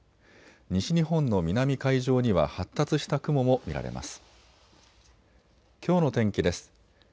西日本の南海上には発達した雲も見られます。